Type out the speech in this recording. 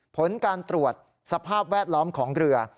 ผลการตรวจสภาพแวดล้อมของเรือ